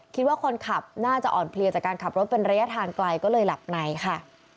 คิดว่าคนขับน่าจะอ่อนเพลียจากการขับรถเป็นระยะทางไกลก็เลยหลับในค่ะ